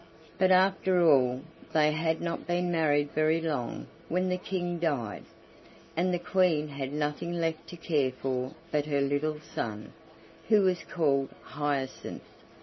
But after all, they had not been married very long when the King died, and the Queen had nothing left to care for but her little son, who was called Hyacinth.